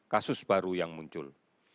kasus baru yang muncul